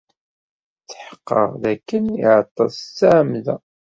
Tḥeqqeɣ dakken iɛeṭṭel s ttɛemda.